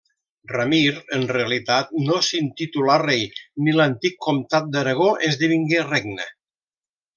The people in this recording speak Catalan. Ramir, en realitat, no s'intitulà rei, ni l'antic comtat d'Aragó esdevingué regne.